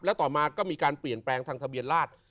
แล้วต่อมาก็มีการเปลี่ยนแปลงทางทะเบียนราช